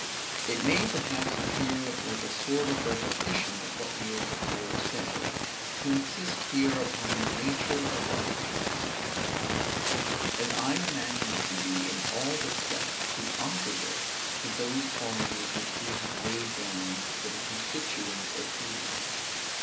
It may perhaps appear like a sort of repetition of what we have before said, to insist here upon the nature of ugliness; as I imagine it to be in all respects the opposite to those qualities which we have laid down for the constituents of beauty.